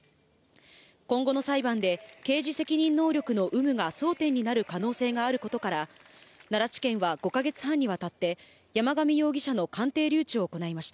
今後の裁判で、刑事責任能力の有無が争点になる可能性があることから、奈良地検は５か月半にわたって、山上容疑者の鑑定留置を行いました。